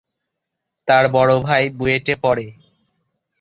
তার বড় ভাই বুয়েটে পড়ে।